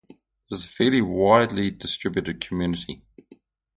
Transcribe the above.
It is a fairly widely distributed community.